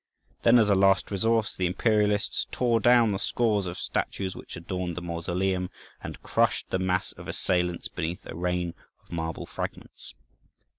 Then, as a last resource, the Imperialists tore down the scores of statues which adorned the mausoleum, and crushed the mass of assailants beneath a rain of marble fragments.